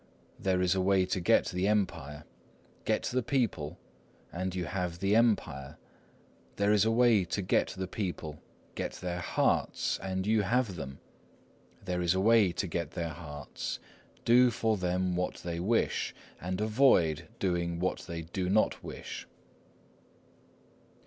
There is a way to get the Empire;—get the people, and you have the Empire. There is a way to get the people;—get their hearts, and you have them. There is a way to get their hearts;—do for them what they wish, and avoid doing what they do not wish."